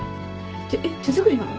えっ手作りなの？